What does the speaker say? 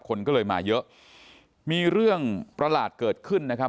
คนก็เลยมาเยอะมีเรื่องประหลาดเกิดขึ้นนะครับ